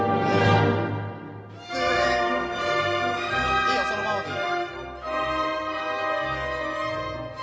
いいよそのままでいいよ。